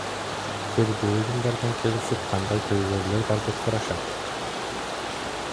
Түрдүү уюмдардан келишип, кандай көйгөйлөр бар деп сурашат.